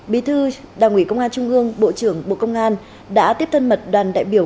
bí thư đảng ủy công an trung ương bộ trưởng bộ công an đã tiếp thân mật đoàn đại biểu